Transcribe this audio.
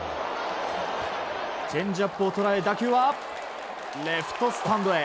チェンジアップを捉え打球はレフトスタンドへ。